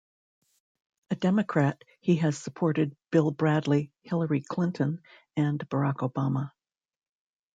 A Democrat, he has supported Bill Bradley, Hillary Clinton and Barack Obama.